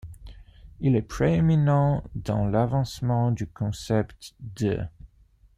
Il est prééminent dans l'avancement du concept d'.